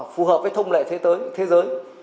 phù hợp với thông lệ thế giới